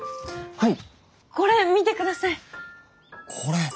はい。